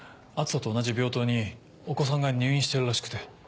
篤斗と同じ病棟にお子さんが入院してるらしくて。